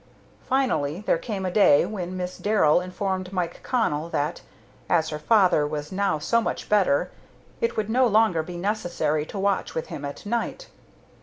Finally there came a day when Miss Darrell informed Mike Connell that, as her father was now so much better, it would no longer be necessary to watch with him at night.